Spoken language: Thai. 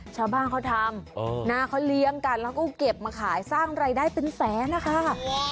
ชาวบ้านเขาทำนะเขาเลี้ยงกันแล้วก็เก็บมาขายสร้างรายได้เป็นแสนนะคะ